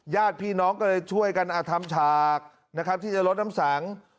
ญาติพี่น้องก็เลยช่วยกันทำฉากนะครับที่จะลดน้ำสัง